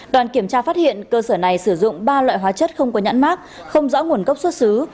đoàn kiểm tra phát hiện cơ sở này sử dụng ba loại hóa chất không có nhãn mát không rõ nguồn gốc xuất xứ